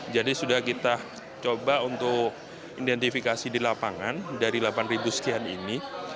jadi sudah kita coba untuk identifikasi di lapangan dari delapan sekian ini